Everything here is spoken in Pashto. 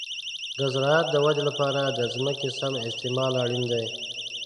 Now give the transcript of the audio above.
د زراعت د ودې لپاره د ځمکې سم استعمال اړین دی.